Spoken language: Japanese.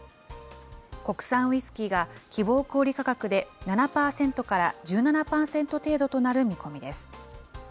国産ウイスキーが希望小売り価格で７％から１７％程度となる見込みです。